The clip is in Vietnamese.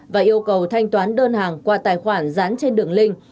và yêu cầu thanh toán đơn hàng qua tài khoản dán trên đường link